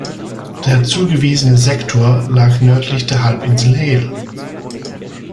Der zugewiesene Sektor lag nördlich der Halbinsel Hel.